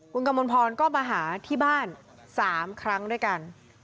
คนกรรมปศก็มาหาที่บ้านสามครั้งด้วยกัน